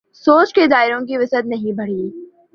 سوچ کے دائروں کی وسعت نہیں بڑھی۔